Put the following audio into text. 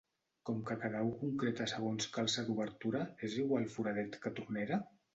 Com que cada u concreta segons calça d'obertura, és igual foradet que tronera?